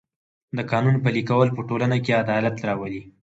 د قانون پلي کول په ټولنه کې عدالت راولي.